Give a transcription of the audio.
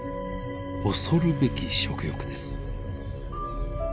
恐るべき食欲です。